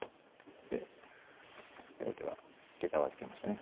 後手はげたを預けましたね。